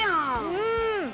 うん。